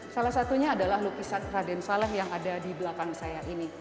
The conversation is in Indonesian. salah satunya adalah lukisan raden saleh yang ada di belakang saya ini